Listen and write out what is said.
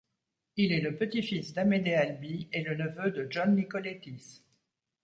Il est le petit-fils d'Amédée Alby et le neveu de John Nicolétis.